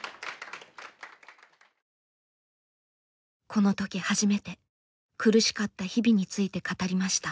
この時初めて苦しかった日々について語りました。